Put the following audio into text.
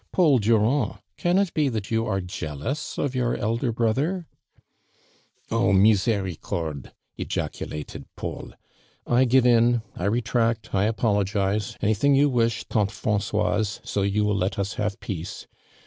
Paul Durand, can it be (h it vou are jealous of your elder brother ?*'" O misMrdrdf!'' pjaculated Paul. "I give in— I retract, I apdogize! Anything you wish, (ante Krancoiso, so you will let us have peace.